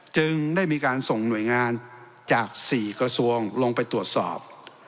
จึงได้มีการส่งหน่วยงานจาก๔กระทรวงลงไปตรวจสอบ